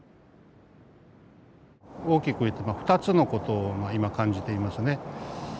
大きく言ってまあ２つのことを今感じていますね。